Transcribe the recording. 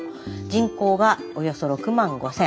人口はおよそ６万５，０００。